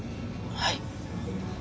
はい。